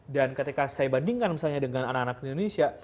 dan ketika saya bandingkan misalnya dengan anak anak di indonesia